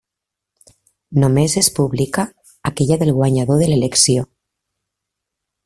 Només es publica aquella del guanyador de l'elecció.